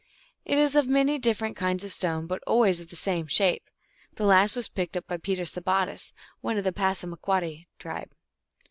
2 It is of many dif ferent kinds of stone, but always of the same shape. The last was picked up by Peter Sabatfcis, 3 one of the Passamaquoddy tribe.